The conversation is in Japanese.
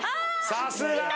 さすが！